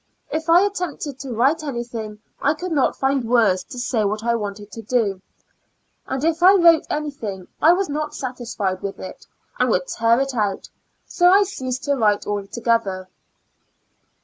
If I attempted to write anything I could not find words to say what I wanted to, and if I wrote anything I was not satisfied with it, and would tear it out ; so I ceased to write altogether.